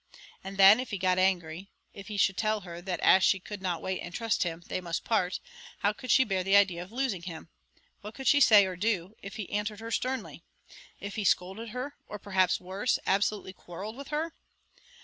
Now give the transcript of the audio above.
And then, if he got angry, if he should tell her that as she could not wait and trust him, they must part; how could she bear the idea of losing him? What could she say or do, if he answered her sternly? if he scolded her, or perhaps worse, absolutely quarrelled with her?